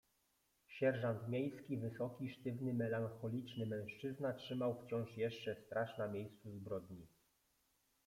"Sierżant miejski, wysoki, sztywny, melancholiczny mężczyzna trzymał wciąż jeszcze straż na miejscu zbrodni."